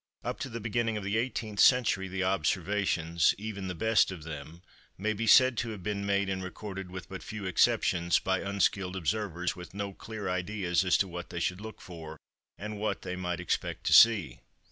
Up to the beginning of the 18th century the observations (even the best of them) may be said to have been made and recorded with but few exceptions by unskilled observers with no clear ideas as to what they should look for and what they might expect to see.